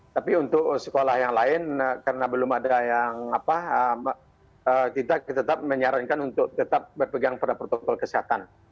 tapi untuk sekolah yang lain karena belum ada yang apa kita tetap menyarankan untuk tetap berpegang pada protokol kesehatan